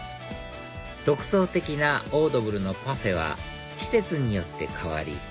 独創的なオードブルのパフェは季節によって替わり